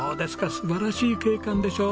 素晴らしい景観でしょう！